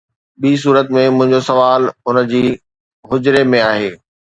ٻي صورت ۾، منهنجو سوال هن جي حجري ۾ آهي